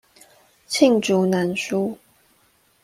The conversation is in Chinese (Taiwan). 罄竹難書